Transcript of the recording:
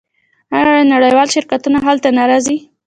آیا نړیوال شرکتونه هلته نه راځي؟